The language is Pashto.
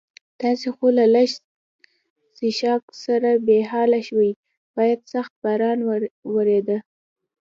تاسې خو له لږ څښاک سره بې حاله شوي، باندې سخت باران ورېده.